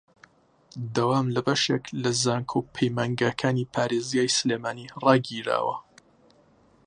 دەوام لە بەشێک لە زانکۆ و پەیمانگاکانی پارێزگای سلێمانی ڕاگیراوە